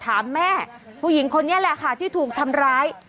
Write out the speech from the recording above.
ถามแม่ผู้หญิงคนนี้แหละค่ะที่ถูกทำร้าย